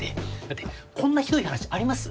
だってこんなひどい話あります？